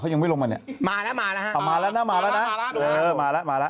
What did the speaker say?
เขายังไม่ลงมาเนี้ยมาแล้วมาแล้วฮะอ๋อมาแล้วนะมาแล้วนะเออมาแล้วมาแล้ว